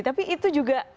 tapi itu juga menarik